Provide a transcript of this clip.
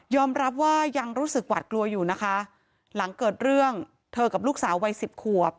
รับว่ายังรู้สึกหวาดกลัวอยู่นะคะหลังเกิดเรื่องเธอกับลูกสาววัยสิบขวบ